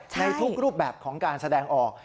ในทุกรูปแบบของการแสดงออก